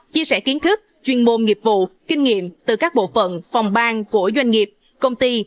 chia sẻ kiến thức chuyên môn nghiệp vụ kinh nghiệm từ các bộ phận phòng bang của doanh nghiệp công ty